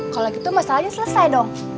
kalau gitu masalahnya selesai dong